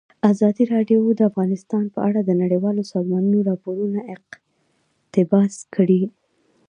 ازادي راډیو د اقلیم په اړه د نړیوالو سازمانونو راپورونه اقتباس کړي.